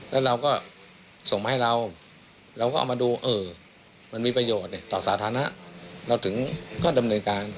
แล้วเราก็ส่งมาให้เราเราก็เอามาดูเออมันมีประโยชน์ต่อสาธารณะเราถึงก็ดำเนินการ